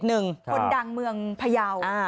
คนดังเมืองพยาว